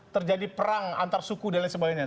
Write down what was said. terjadi perang antar suku dan lain sebagainya